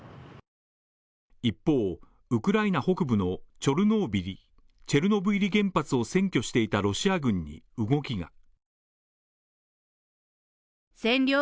一方、ウクライナ北部のチョルノービリ＝チェルノブイリ原発を占拠していたロシア軍に動きが。